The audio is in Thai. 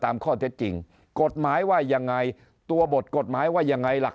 ตามข้อเท็จจริงกฎหมายว่ายังไงตัวบทกฎหมายว่ายังไงหลัก